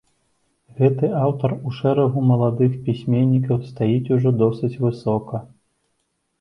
Гэты аўтар у шэрагу маладых пісьменнікаў стаіць ужо досыць высока.